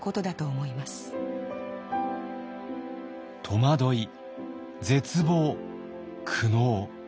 戸惑い絶望苦悩。